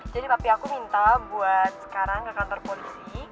jadi papi aku minta buat sekarang ke kantor polisi